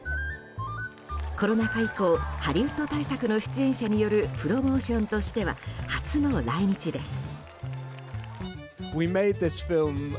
コロナ禍以降ハリウッド大作の出演者によるプロモーションとしては初の来日です。